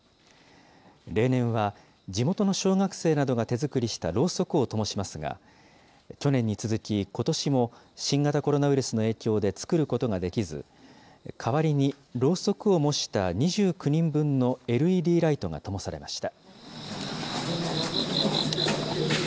例年は、地元の小学生などが手作りしたろうそくをともしますが、去年に続き、ことしも、新型コロナウイルスの影響で作ることができず、代わりにろうそくを模した２９人分のＬＥＤライトがともされました。